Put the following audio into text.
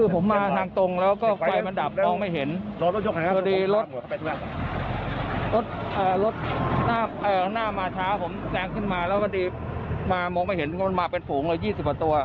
พอดีมามองไปเห็นมันมาเป็นฝูงละ๒๐กว่าตัว